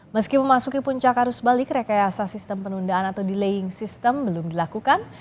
meski memasuki puncak arus balik rekayasa sistem penundaan atau delaying system belum dilakukan